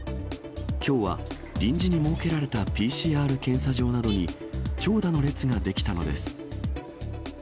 きょうは臨時に設けられたＰＣＲ検査場などに、長蛇の列が出来たのです。